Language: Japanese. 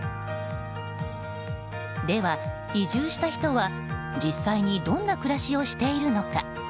では、移住した人は実際にどんな暮らしをしているのか。